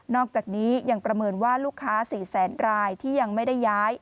อกจากนี้ยังประเมินว่าลูกค้า๔แสนรายที่ยังไม่ได้ย้าย